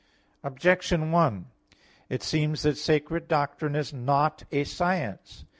Objection 1: It seems that sacred doctrine is not a science.